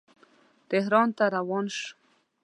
تهران ته روان شو.